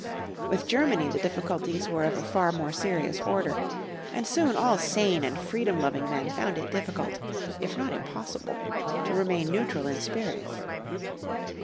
With Germany the difficulties were of a far more serious order, and soon all sane and freedom loving men found it difficult, if not impossible, to remain neutral in spirit.